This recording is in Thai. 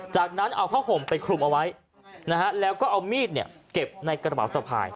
จากนั้นเอาผ้าห่มไปคลุมเอาไว้นะฮะแล้วก็เอามีดเนี่ยเก็บในกระเป๋าสะพาย